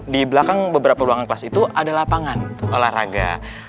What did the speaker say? di belakang beberapa ruangan kelas itu ada lapangan olahraga